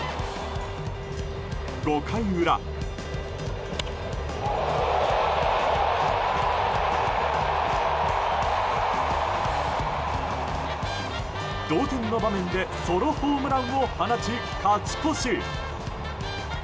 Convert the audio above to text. ５回裏、同点の場面でソロホームランを放ち勝ち越し。